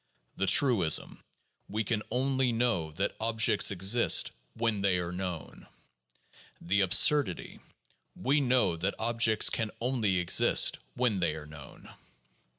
The truism: We can only know that objects exist, when they are known. The absurdity: We know that objects can only exist when they are known.